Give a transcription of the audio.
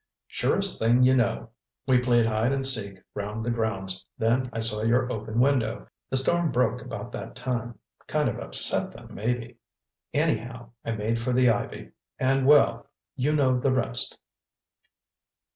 "Surest thing you know! We played hide and seek round the grounds, then I saw your open window. The storm broke about that time. Kind of upset them, maybe. Anyhow, I made for the ivy—and well—you know the rest."